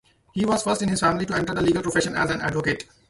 He was first in his family to enter the legal profession as an advocate.